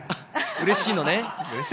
うれしいのね。